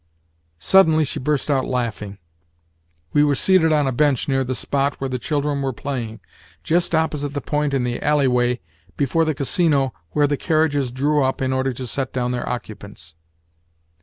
Suddenly, she burst out laughing. We were seated on a bench near the spot where the children were playing—just opposite the point in the alley way before the Casino where the carriages drew up in order to set down their occupants.